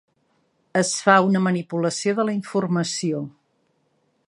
Es fa una manipulació de la informació.